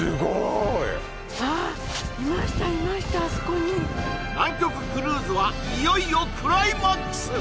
いましたあそこに南極クルーズはいよいよクライマックス